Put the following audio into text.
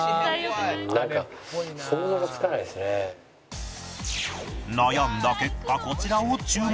なんか悩んだ結果こちらを注文